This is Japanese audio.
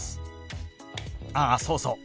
あっそうそう。